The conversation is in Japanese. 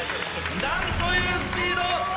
何というスピード。